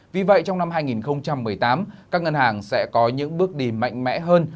vì vậy trong năm hai nghìn một mươi tám các ngân hàng sẽ có những bước đi mạnh mẽ hơn